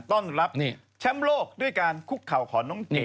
ต้อนรับแชมป์โลกด้วยการคุกเข่าของน้องเจ